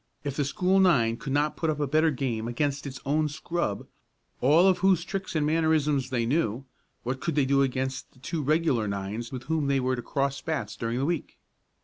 If the school nine could not put up a better game against their own scrub, all of whose tricks and mannerisms they knew, what could they do against the two regular nines with whom they were to cross bats during the week?